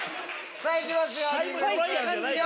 さぁ行きますよ